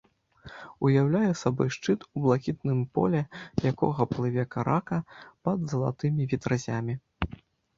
Уяўляе сабой шчыт, у блакітным поле якога плыве карака пад залатымі ветразямі.